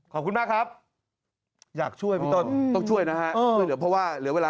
ขอบคุณมากครับอยากช่วยพี่ต้นต้องช่วยนะฮะช่วยเหลือเพราะว่าเหลือเวลา